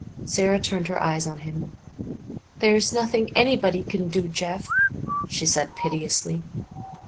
Sara turned her eyes on him. "There is nothing anybody can do, Jeff," she said piteously.